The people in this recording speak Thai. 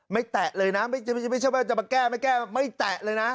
แตะเลยนะไม่ใช่ว่าจะมาแก้ไม่แก้ไม่แตะเลยนะ